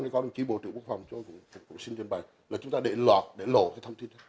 đồng chí bộ trưởng quốc phòng xin truyền bày là chúng ta để lọt để lộ thông tin